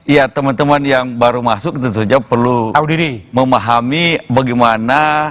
ya teman teman yang baru masuk tentu saja perlu memahami bagaimana